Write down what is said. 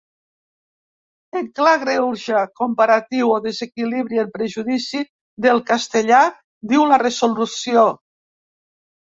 En clar greuge comparatiu o desequilibri en perjudici del castellà, diu la resolució.